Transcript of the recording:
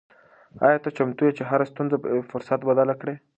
آیا ته چمتو یې چې هره ستونزه په یو فرصت بدله کړې؟